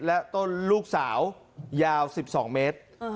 และต้นลูกสาวยาว๑๒เมตร